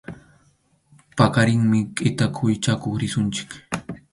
Paqarinmi kʼita quwi chakuq risunchik.